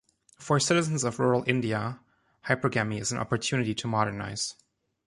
For citizens of rural India, hypergamy is an opportunity to modernize.